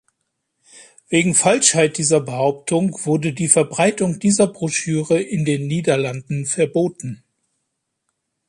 Wegen Falschheit dieser Behauptung wurde die Verbreitung dieser Broschüre in den Niederlanden verboten.